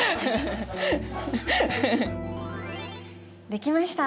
できました！